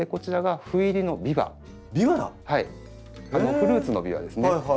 フルーツのビワですね。